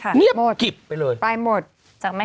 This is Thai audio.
โน้ตไปหมดจากแม่แข็งขิงหมู